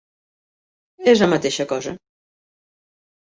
És la mateixa cosa.